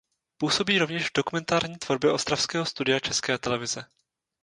Působí rovněž v dokumentární tvorbě ostravského studia České televize.